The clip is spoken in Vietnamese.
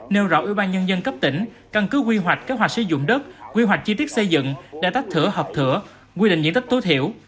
nêu rõ ủy ban nhân dân cấp tỉnh căn cứ quy hoạch kế hoạch sử dụng đất quy hoạch chi tiết xây dựng để tách thửa hợp thửa quy định diện tích tối thiểu